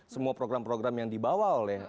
semua program program yang dibawa oleh